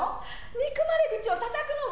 憎まれ口をたたくのも。